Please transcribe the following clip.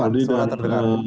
mas aldi dan